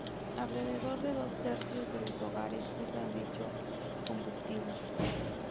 Alrededor de dos tercios de los hogares usan dicho combustible.